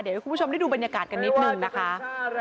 เดี๋ยวให้คุณผู้ชมได้ดูบรรยากาศกันนิดนึงนะคะ